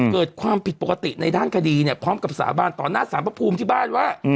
เกิดความผิดปกติในด้านคดีเนี่ยพร้อมกับสาบานต่อหน้าสารพระภูมิที่บ้านว่า